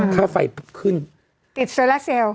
ค่าไฟขึ้นติดโซลาเซล